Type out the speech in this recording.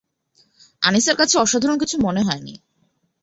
আনিসের কাছে অসাধারণ কিছু মনে হয় নি।